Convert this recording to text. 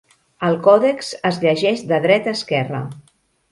El còdex es llegeix de dreta a esquerra.